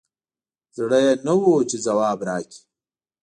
زړه یي نه وو چې ځواب راکړي